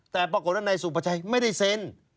แต่ปรากฏว่านายสุภาชัยไม่ได้เซ็น